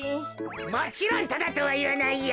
もちろんタダとはいわないよ。